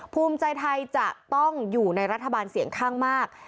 ภูมิใจไทยจะต้องอยู่ในรัฐบาลเสียงข้างมาก